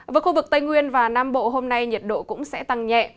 với khu vực tây nguyên và nam bộ hôm nay nhiệt độ cũng sẽ tăng nhẹ